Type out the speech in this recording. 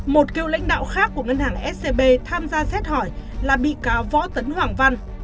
một cựu lãnh đạo khác của ngân hàng scb tham gia xét hỏi là bị cáo võ tấn hoàng văn